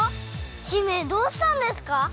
姫どうしたんですか？